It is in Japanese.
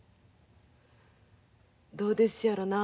どうですやろな。